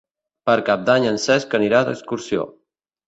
Per Cap d'Any en Cesc anirà d'excursió.